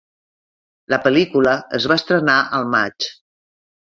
La pel·lícula es va estrenar al maig.